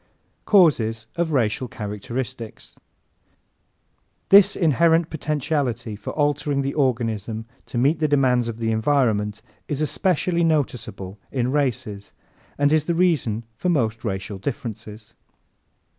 Causes of Racial Characteristics ¶ This inherent potentiality for altering the organism to meet the demands of the environment is especially noticeable in races and is the reason for most racial differences.